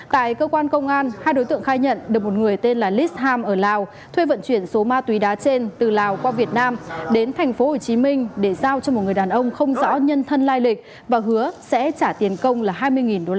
tại cơ quan công an hai đối tượng khai nhận được một người tên là lis ham ở lào thuê vận chuyển số ma túy đá trên từ lào qua việt nam đến tp hcm để giao cho một người đàn ông không rõ nhân thân lai lịch và hứa sẽ trả tiền công là hai mươi usd